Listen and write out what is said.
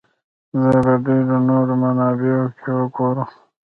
دا په ډېرو نورو منابعو کې وګورو.